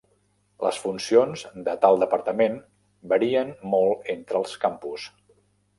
Les funcions de tal departament varien molt entre els campus.